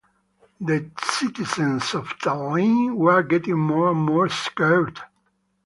The citizens of Tallinn were getting more and more scared.